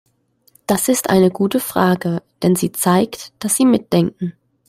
Das ist eine gute Frage, denn sie zeigt, dass Sie mitdenken.